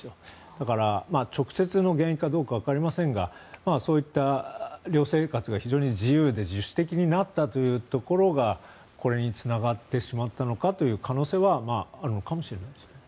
だから直接の原因かどうかはわかりませんがそういった寮生活が非常に自由で自主的になったというところがこれにつながってしまったのかという可能性はあるのかもしれないですよね。